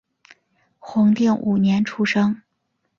弘定五年出生。